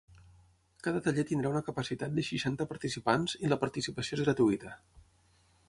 Cada taller tindrà una capacitat de seixanta participants i la participació és gratuïta.